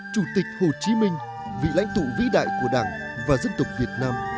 chủ tịch hồ chí minh vị lãnh tụ vĩ đại của đảng và dân tộc việt nam